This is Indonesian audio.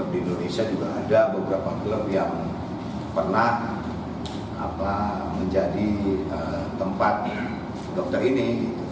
di indonesia juga ada beberapa klub yang pernah menjadi tempat dokter ini